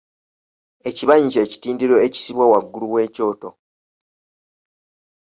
Ekibanyi kye kitindiro ekisibwa waggulu w’ekyoto.